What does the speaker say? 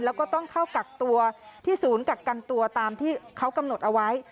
แล้วก็ต้องเข้ากักตัวที่ศูนย์กักกันตัวตามที่เขากำหนดเอาไว้